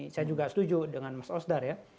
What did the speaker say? saya juga setuju dengan mas osdar ya